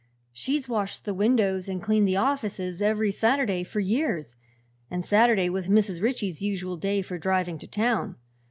She's washed the windows and cleaned the offices every Saturday for years, and Saturday was Mrs. Ritchie's usual day for driving to town.